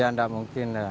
ya tidak mungkin